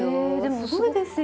すごいですよね。